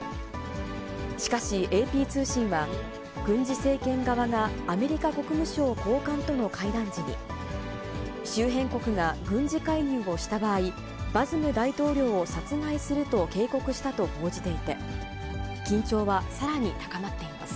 しかしＡＰ通信は、軍事政権側がアメリカ国務省高官との会談時に、周辺国が軍事介入をした場合、バズム大統領を殺害すると警告したと報じていて、緊張はさらに高まっています。